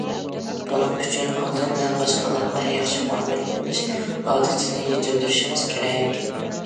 بۇنىڭ ئۈچۈن ئالدى بىلەن باشقىلارغا ياخشى مۇئامىلە قىلىش ئادىتىنى يېتىلدۈرۈشىڭىز كېرەك.